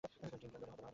Team, জড়ো হ্ও।